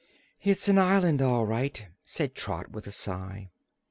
"It's an island, all right," said Trot, with a sigh.